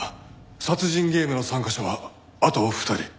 殺人ゲームの参加者はあと２人。